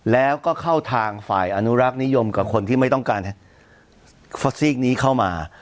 แล้วก็เข้าทางฝ่ายอนุรักษ์นิยมกับคนที่ไม่ต้องการฟอสซีกนี้เข้ามา